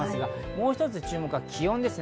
もう一つ、注目は気温です。